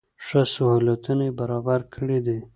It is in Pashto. ښه سهولتونه یې برابر کړي دي.